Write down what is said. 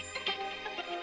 kepala kota garut